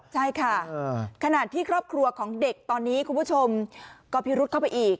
ใช่ค่ะขณะที่ครอบครัวของเด็กตอนนี้คุณผู้ชมก็พิรุษเข้าไปอีก